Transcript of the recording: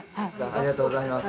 ありがとうございます。